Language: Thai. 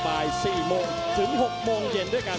บ่าย๔โมงถึง๖โมงเย็นด้วยกัน